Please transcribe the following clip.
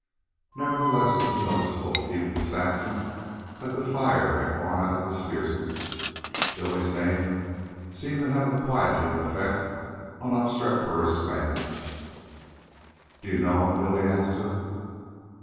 Nevertheless it was noticeable, even to Saxon, that the fire had gone out of his fierceness. Billy's name seemed to have a quieting effect on obstreperous males. "Do you know him?" Billy asked her.